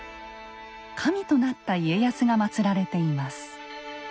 神となった家康がまつられています。